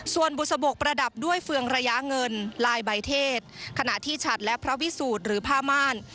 ส่วนบุษบกประดับด้วยเฟืองระยะเงินลายใบเทศขณะที่ฉัดและพระวิสูจน์หรือผ้าม่าน